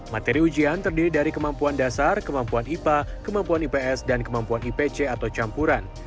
materi ujian terdiri dari kemampuan dasar kemampuan ipa kemampuan ips dan kemampuan ipc atau campuran